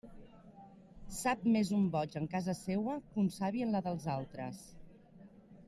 Sap més un boig en casa seua que un savi en la dels altres.